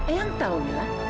eang kamu tidak bisa mencari saya